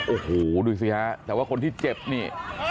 โอ้โหดูสิฮะแต่ว่าคนที่เจ็บนี่